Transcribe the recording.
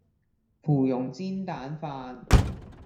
芙蓉煎蛋飯